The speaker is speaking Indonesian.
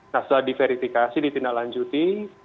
nah setelah diverifikasi ditindaklanjuti